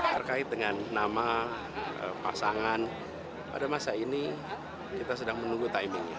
terkait dengan nama pasangan pada masa ini kita sedang menunggu timingnya